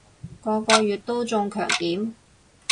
個個月都中強檢